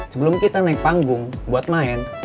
sebelum kita naik panggung buat main